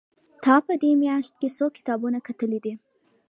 تا په دې مياشت کې څو کتابونه کتلي دي؟